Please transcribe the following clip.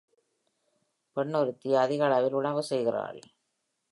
பெண் ஒருத்தி அதிக அளவில் உணவு செய்கிறாள்.